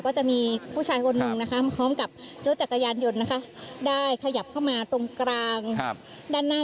ก็จะมีผู้ชายคนหนึ่งนะคะพร้อมกับรถจักรยานยนต์นะคะได้ขยับเข้ามาตรงกลางด้านหน้า